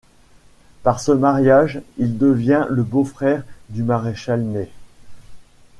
Par ce mariage, il devient le beau-frère du maréchal Ney.